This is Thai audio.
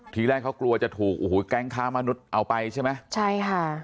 ทีแรกเขากลัวจะถูกโอ้โหแก๊งค้ามนุษย์เอาไปใช่ไหมใช่ค่ะ